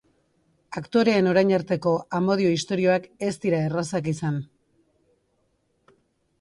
Aktoreen orain arteko amodio istorioak ez dira errazak izan.